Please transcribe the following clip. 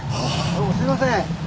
どうもすいません。